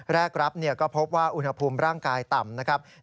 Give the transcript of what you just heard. แรกรับก็พบว่าอุณหภูมิร่างกายต่ำนะครับ